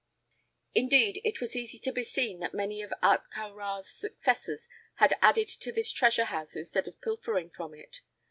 Indeed, it was easy to be seen that many of Ahtka Rā's successors had added to this treasure house instead of pilfering from it.